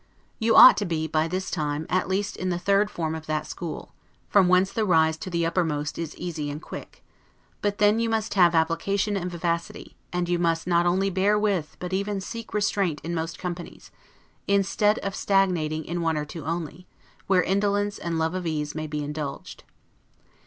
You ought to be, by this time, at least in the third form of that school, from whence the rise to the uppermost is easy and quick; but then you must have application and vivacity; and you must not only bear with, but even seek restraint in most companies, instead of stagnating in one or two only, where indolence and love of ease may be indulged.